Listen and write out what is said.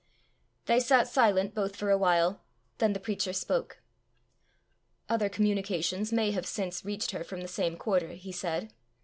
They sat silent both for a while then the preacher spoke. "Other communications may have since reached her from the same quarter," he said.